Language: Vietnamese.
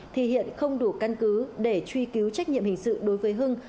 thì hiện không đủ căn cứ để truy cứu trách nhiệm hình sự đối với hưng